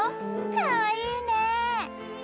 かわいいね。